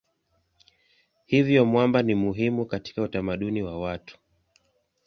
Hivyo mwamba ni muhimu katika utamaduni wa watu.